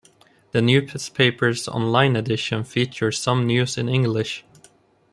The newspaper's online edition features some news in English.